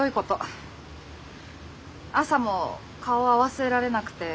朝も顔合わせられなくて。